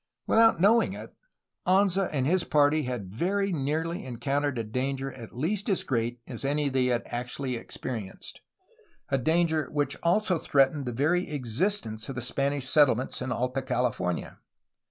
Without knowing it, Anza and his party had very nearly encountered a danger at least as great as any they actually experienced, a danger which also threatened the very existence of the Spanish settlements in Alta California.